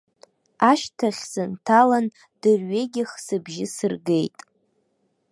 Ашьҭахь сынҭалан, дырҩегьых сыбжьы сыргеит.